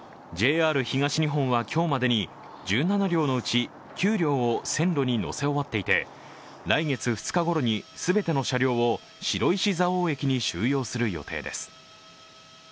ＪＲ東日本は、今日までに１７両のうち９両を線路に乗せ終わっていて、来月２日ごろに全ての車両を白石蔵王駅に収容する予定です。